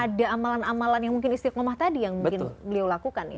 ada amalan amalan yang mungkin istiqomah tadi yang mungkin beliau lakukan ya